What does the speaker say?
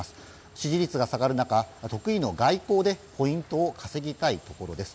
支持率が下がる中得意の外交でポイントを稼ぎたいところです。